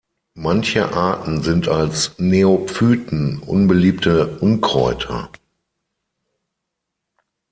Manche Arten sind als Neophyten unbeliebte „Unkräuter“.